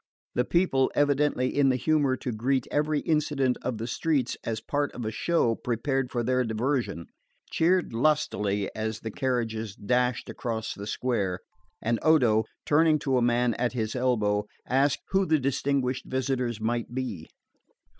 The people, evidently in the humour to greet every incident of the streets as part of a show prepared for their diversion, cheered lustily as the carriages dashed across the square; and Odo, turning to a man at his elbow, asked who the distinguished visitors might be.